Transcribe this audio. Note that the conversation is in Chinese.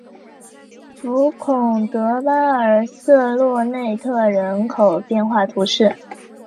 福孔德巴尔瑟洛内特人口变化图示